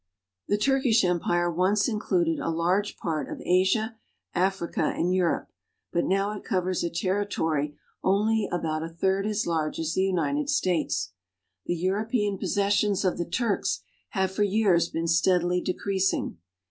The Turkish Empire once included a large part of Asia, Africa, and Europe, but now it covers a territory only about a third as large as the United States. The European possessions of the Turks have for years been steadily decreasing.